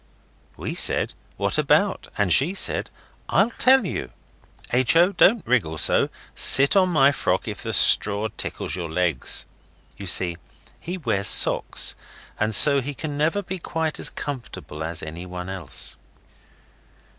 We said what about? And she said, 'I'll tell you.' H. O., don't wriggle so; sit on my frock if the straws tickle your legs.' You see he wears socks, and so he can never be quite as comfortable as anyone else.